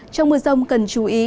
trong mưa rông cần chú ý